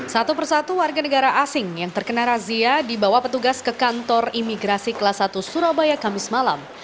satu persatu warga negara asing yang terkena razia dibawa petugas ke kantor imigrasi kelas satu surabaya kamis malam